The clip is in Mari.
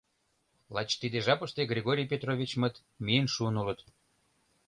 Лач тиде жапыште Григорий Петровичмыт миен шуын улыт.